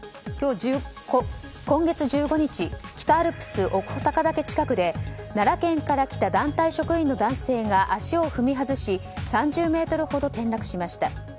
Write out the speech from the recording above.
今月１５日、北アルプス奥穂高岳近くで奈良県から来た団体職員の男性が足を踏み外し３０ｍほど転落しました。